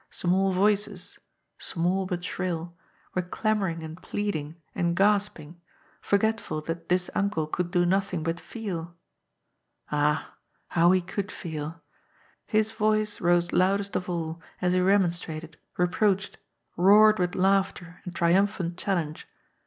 Small voices — small but shrill — ^were clamouring and pleading and gasp ing, forgetful that this uncle could do nothing but feel ! Ah, how he could feel ! His voice rose loudest of all, as he remonstrated, reproached, roared with laughter and trium phant challenge.